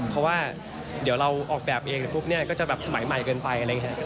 เพราะว่าเดี๋ยวเราออกแบบเองปุ๊บเนี่ยก็จะแบบสมัยใหม่เกินไปอะไรอย่างนี้